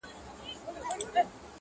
o نړوم غرونه د تمي، له اوږو د ملایکو.